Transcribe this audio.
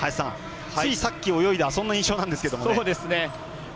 ついさっき泳いだそんな印象なんですが。